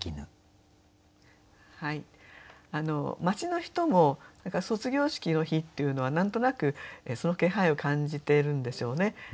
街の人も卒業式の日っていうのは何となくその気配を感じているんでしょうね。